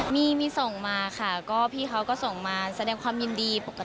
มีมีส่งมาค่ะก็พี่เขาก็ส่งมาแสดงความยินดีปกติ